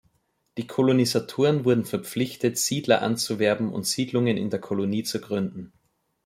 Die Kolonisatoren wurden verpflichtet, Siedler anzuwerben und Siedlungen in der Kolonie zu gründen.